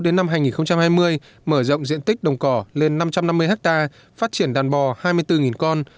đến năm hai nghìn hai mươi mở rộng diện tích đồng cỏ lên năm trăm năm mươi ha phát triển đàn bò hai mươi bốn con